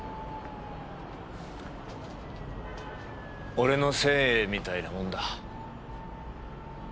俺のせいみたいなもんだ。